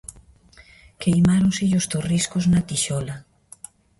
Queimáronselle os torriscos na tixola.